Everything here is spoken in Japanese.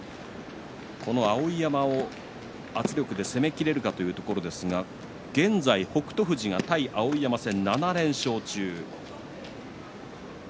碧山を圧力で攻めきれるかというところですが現在、北勝富士が対碧山戦７連勝中です。